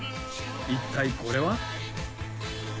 一体これは？